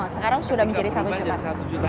sekarang sudah menjadi satu cepat